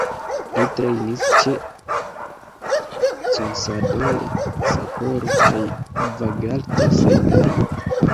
Li trejnis ĉe Consadole Sapporo kaj Vegalta Sendai.